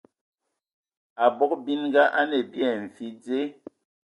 Abog binanga a nə bia ai mfi dze.